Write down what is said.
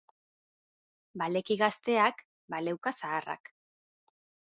Baleki gazteak, baleuka zaharrak.